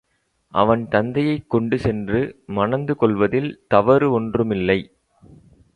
அவன் தத்தையைக் கொண்டு சென்று மணந்து கொள்வதில் தவறு ஒன்றுமில்லை.